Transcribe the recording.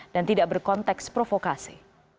dan tidak berkonteks provokasi